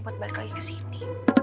buat balik lagi ke sini